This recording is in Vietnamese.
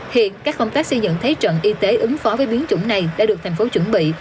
hiện các công tác xây dựng thế trận y tế ứng phó với biến chủng này đã được thành phố chuẩn bị